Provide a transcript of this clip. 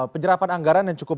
penyerapan anggaran yang cukup